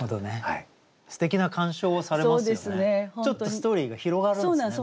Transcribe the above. ちょっとストーリーが広がるんですよね